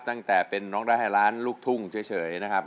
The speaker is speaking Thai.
ตั้งแต่เป็นน้องได้ให้ล้านลูกทุ่งเฉยนะครับ